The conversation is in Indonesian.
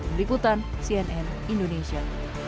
berikutan cnn indonesia